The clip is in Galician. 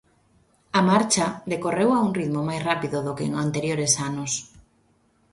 A marcha decorreu a un ritmo máis rápido do que en anteriores anos.